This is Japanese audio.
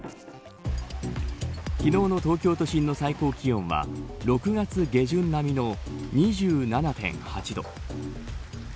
昨日の東京都心の最高気温は６月下旬並みの２７．８度。